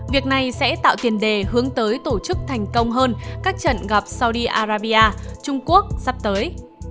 việc này sẽ tạo tiền đề hướng tới tổ chức thành công hơn các trận gặp sau đi arabia trung quốc sắp tới